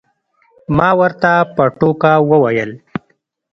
ما ورته په ټوکه وویل.